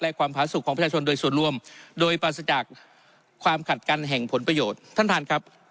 และความผาสุขของประชาชนโดยส่วนรวมโดยปราศจากความขัดกันแห่งผลประโยชน์ท่านท่านครับ